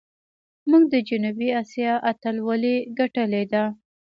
موږ د جنوبي آسیا اتلولي ګټلې ده.